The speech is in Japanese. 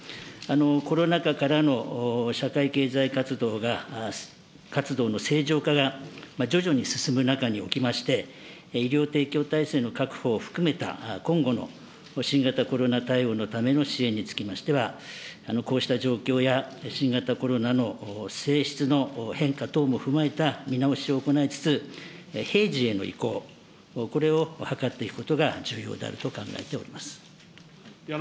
コロナ禍からの社会経済活動の正常化が徐々に進む中におきまして、医療提供体制の確保を含めた今後の新型コロナ対応のための支援につきましては、こうした状況や新型コロナの性質の変化等も踏まえた見直しを行いつつ、平時への移行、これを図っていくことが重要であると考えております。